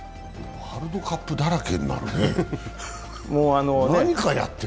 ワールドカップだらけになるね、何かやってる。